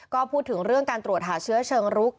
ก็พูดถึงเรื่องการตรวจหาเชื้อเชิงรุก